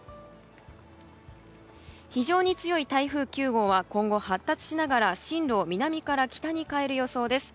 非常に強い台風９号は今後、発達しながら進路を南から北に変える予想です。